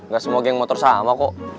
gak semua geng motor sama kok